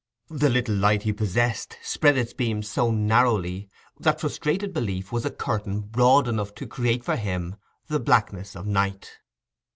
The little light he possessed spread its beams so narrowly, that frustrated belief was a curtain broad enough to create for him the blackness of night.